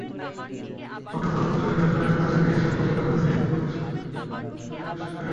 তবে অন্ততপক্ষে দুটি সরকারি সূত্র থেকে এসব বৈধ কাগজপত্রহীন অভিবাসী আশ্বাস পেয়েছে।